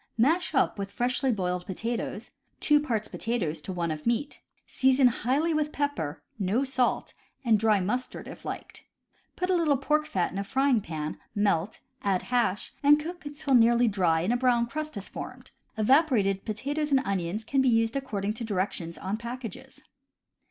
Mash up with freshly boiled potatoes, two parts potatoes to one of meat. Season highly with pepper (no salt) and dry mustard if liked. Put a little pork fat in a frying pan, melt, add hash, and cook until nearly dry and a brown crust has formed. Evaporated potatoes and onions can be used accord ing to directions on packages.